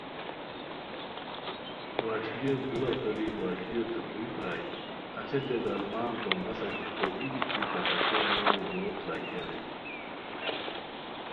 وشلیو دُورہ تو ری وشلیوتے ہوئیی پرائے ہسے بے درمان تو نسہ گیکو ای بیتی پھتاکین واوو دُوروت راہی ارینی